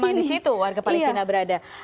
cuma di situ warga palestina berada